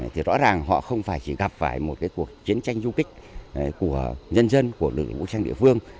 thì rõ ràng họ không phải chỉ gặp phải một cuộc chiến tranh du kích của nhân dân của lực lượng vũ trang địa phương